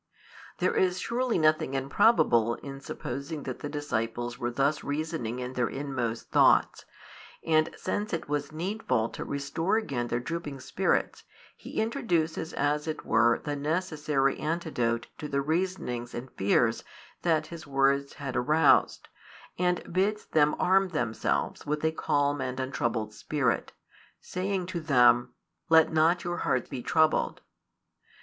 There is surely nothing improbable in supposing that the disciples were thus reasoning in their inmost thoughts: and since it was needful to restore again their drooping spirits, He introduces as it were the necessary antidote to the reasonings and fears that His words had aroused, and bids them arm themselves with a calm and untroubled spirit, saying to them: Let not your heart be troubled.